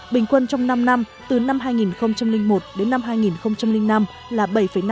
bình quân trong năm năm từ năm hai nghìn một đến năm hai nghìn năm là bảy năm